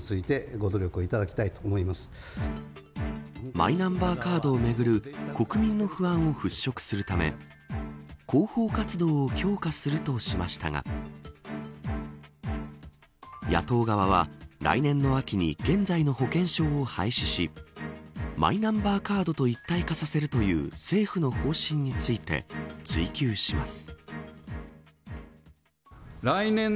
マイナンバーカードをめぐる国民の不安を払拭するため広報活動を強化するとしましたが野党側は来年の秋に現在の保険証を廃止しマイナンバーカードと一体化させるという政府の方針について追及します。